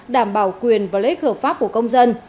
đảm bảo quyền và lễ hợp pháp của công dân